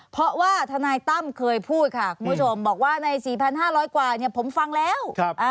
เพราะว่าทนายตั้มเคยพูดค่ะคุณผู้ชมบอกว่าใน๔๕๐๐กว่าผมฟังแล้ว